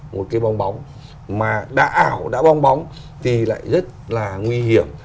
một cái bong bóng mà đã ảo đã bong bóng thì lại rất là nguy hiểm